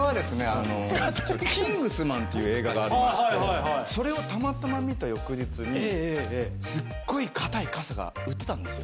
あの『キングスマン』という映画がありましてそれをたまたま見た翌日にすっごい硬い傘が売ってたんですよ。